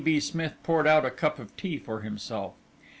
B. Smith poured out a cup of tea for himself.